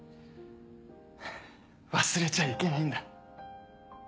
忘れちゃいけないんだ。